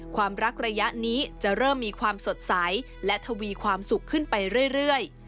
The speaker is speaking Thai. ความรักระยะนี้จะเริ่มมีความสดใสและทวีความสุขขึ้นไปเรื่อย